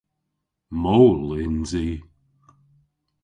Mool yns i.